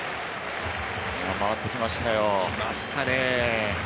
回ってきましたよ。